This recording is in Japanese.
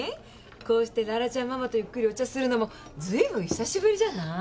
こうして羅羅ちゃんママとゆっくりお茶するのもずいぶん久しぶりじゃない？